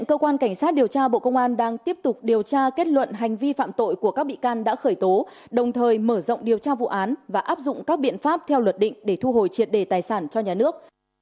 cơ quan cảnh sát điều tra bộ công an đang tiếp tục điều tra kết luận hành vi phạm tội của các bị can đã khởi tố đồng thời mở rộng điều tra vụ án và áp dụng các biện pháp theo luật định để thu hồi triệt đề tài sản cho nhà nước